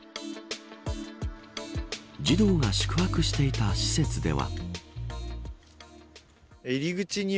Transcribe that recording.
児童が宿泊していた施設では。